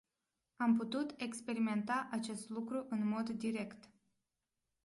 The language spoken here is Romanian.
Am putut experimenta acest lucru în mod direct.